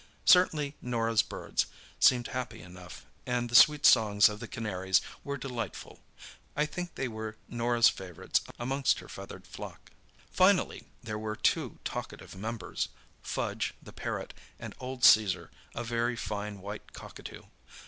Certainly Norah's birds seemed happy enough, and the sweet songs of the canaries were delightful. I think they were Norah's favourites amongst her feathered flock. Finally there were two talkative members—Fudge the parrot, and old Caesar, a very fine white cockatoo.